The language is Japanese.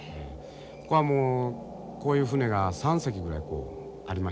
ここはもうこういう船が３隻ぐらいありましてね